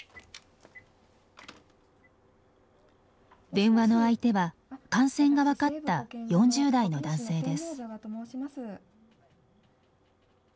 電話の相手は感染が分かった４０代の男性です。